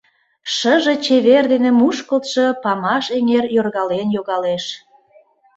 Шыже чевер дене мушкылтшо Памаш эҥер йоргален йогалеш.